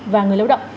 và người lao động